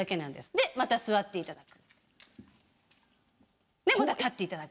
でまた立っていただく。